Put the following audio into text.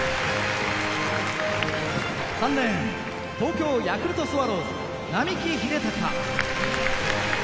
３レーン東京ヤクルトスワローズ並木秀尊。